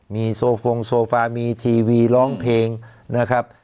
มีโซฟงโซฟามีทีวีร้องเพลงนะครับ